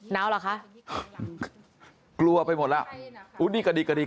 นี่